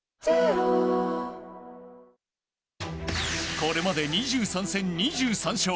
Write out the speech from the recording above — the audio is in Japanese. これまで２３戦２３勝。